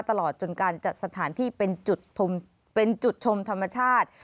ตลอดจนการจัดสถานที่เป็นจุดเป็นจุดชมธรรมชาติ